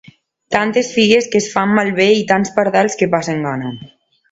Tantes figues que es fan malbé i tants pardals que passen gana.